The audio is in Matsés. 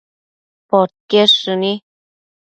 podquied shëni